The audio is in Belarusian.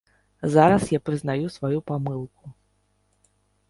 Зараз я прызнаю сваю памылку.